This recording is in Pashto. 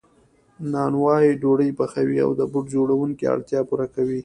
نانوای ډوډۍ پخوي او د بوټ جوړونکي اړتیا پوره کوي